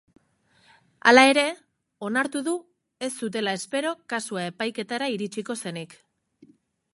Hala ere, onartu du ez zutela espero kasua epaiketara iritsiko zenik.